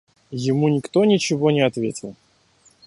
Ему никто ничего не ответил.